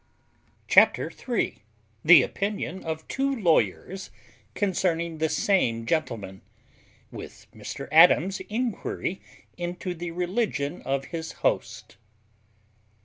CHAPTER III. _The opinion of two lawyers concerning the same gentleman, with Mr Adams's inquiry into the religion of his host.